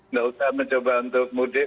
nggak usah mencoba untuk mudik